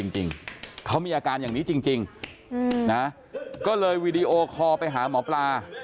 จริงเขามีอาการอย่างนี้จริงนะก็เลยวีดีโอคอลไปหาหมอปลา